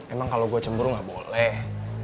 emang kalau gue cemburu nggak boleh